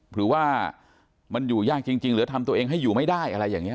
หรือว่ามันอยู่ยากจริงหรือทำตัวเองให้อยู่ไม่ได้อะไรอย่างนี้